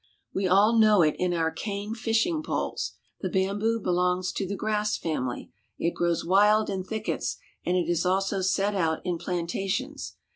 We all know it in our cane fishing poles. The bamboo belongs to the grass family. It grows wild in thickets, and it is also set out in plantations.